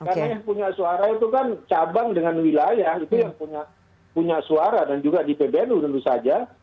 karena yang punya suara itu kan cabang dengan wilayah itu yang punya suara dan juga di bdnu tentu saja